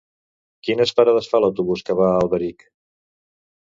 Quines parades fa l'autobús que va a Alberic?